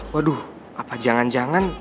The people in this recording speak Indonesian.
waduh apa jangan jangan